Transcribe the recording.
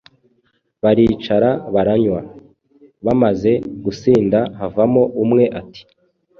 Baricara baranywa. Bamaze gusinda havamo umwe ati «